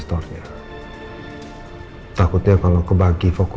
silahkan mbak mbak